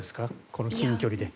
この近距離で。